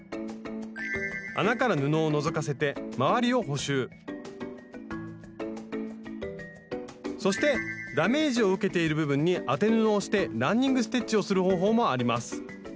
穴から布をのぞかせて周りを補修そしてダメージを受けている部分に当て布をしてランニング・ステッチをする方法もあります。